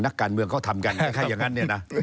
นักการเมืองเขาทำกันแค่อย่างนั้น